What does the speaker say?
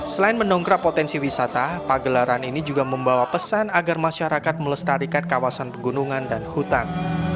selain mendongkrak potensi wisata pagelaran ini juga membawa pesan agar masyarakat melestarikan kawasan pegunungan dan hutan